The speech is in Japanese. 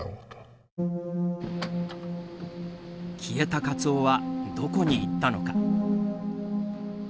消えたカツオはどこに行ったのか。